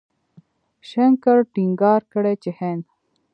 شنکر ټينګار کړی چې هند